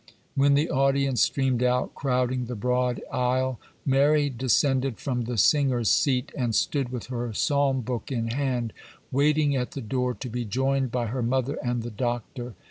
When the audience streamed out, crowding the broad aisle, Mary descended from the singers' seat, and stood with her psalm book in hand, waiting at the door to be joined by her mother and the Doctor.